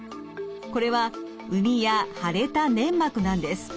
これは膿や腫れた粘膜なんです。